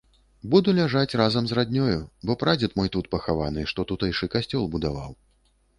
Буду ляжаць разам з раднёю, бо прадзед мой тут пахаваны, што тутэйшы касцёл будаваў.